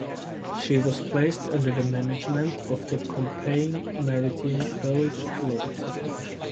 She was placed under the management of the Compagnie Maritime Belge Lloyd.